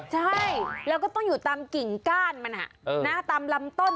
ใช่แล้วก็ต้องอยู่ตามกิ่งก้านมันตามลำต้น